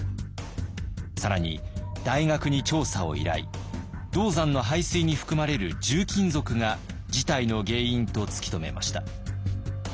更に大学に調査を依頼銅山の排水に含まれる重金属が事態の原因と突き止めました。